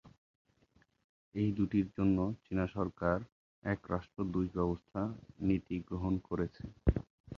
এ দুটির জন্য চীনা সরকার ‘এক রাষ্ট্র, দুই ব্যবস্থা’ নীতি গ্রহণ করেছে।